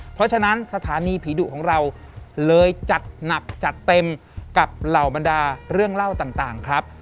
เพราะฉะนั้นสถานีผีดุของเราเลยจัดหนักจัดเต็มกับเหล่าบรรดาเรื่องเล่าต่างครับ